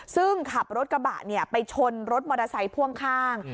ซึ่งขับรถกระบะไปชนรถมอเตอร์ไซค์พ่วงข้าง